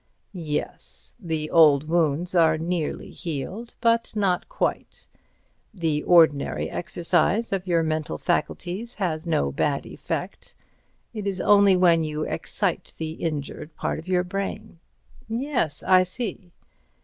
"Yes. The old wounds are nearly healed, but not quite. The ordinary exercise of your mental faculties has no bad effect. It is only when you excite the injured part of your brain." "Yes, I see."